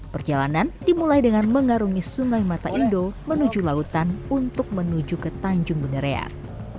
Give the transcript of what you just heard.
perjalanan dimulai dengan mengarungi sungai mata indo menuju lautan untuk menuju ke tanjung beneran